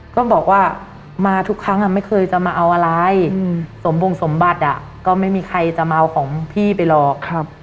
ก็บอกว่ามาทุกครั้งไม่เคยจะมาเอาอะไรสมบงสมบัติก็ไม่มีใครจะมาเอาของพี่ไปหรอก